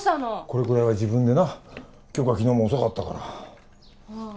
これくらいは自分でな杏花昨日も遅かったからああ